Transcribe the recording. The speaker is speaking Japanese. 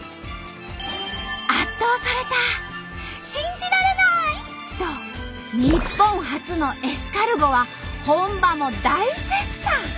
信じられない！」と日本初のエスカルゴは本場も大絶賛。